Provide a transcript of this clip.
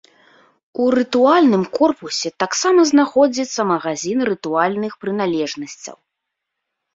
У рытуальным корпусе таксама знаходзіцца магазін рытуальных прыналежнасцяў.